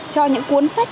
cho những cuốn sách